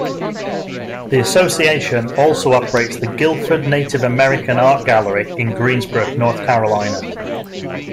The association also operates the Guilford Native American Art Gallery in Greensboro, North Carolina.